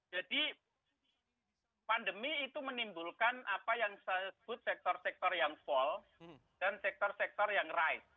jadi pandemi itu menimbulkan apa yang disebut sektor sektor yang fall dan sektor sektor yang rise